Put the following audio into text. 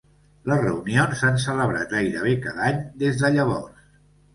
Les reunions s'han celebrat gairebé cada any des de llavors.